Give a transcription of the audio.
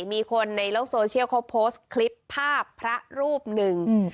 มีคนในโลกโซเชียลเขาโพสต์คลิปภาพพระรูปหนึ่ง